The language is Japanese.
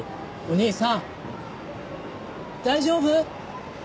お兄さん大丈夫？